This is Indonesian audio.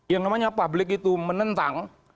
yang namanya publik itu menentang